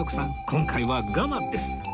今回は我慢です